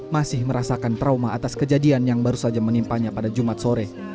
masih merasakan trauma atas kejadian yang baru saja menimpanya pada jumat sore